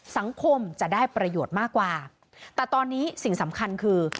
สังคมจะได้ประโยชน์มากกว่าแต่ตอนนี้สิ่งสำคัญคือ